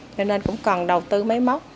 cho nên cũng cần đầu tư máy móc